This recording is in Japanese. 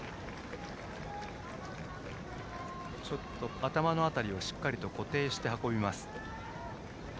頭の当たりをしっかりと固定して運びます。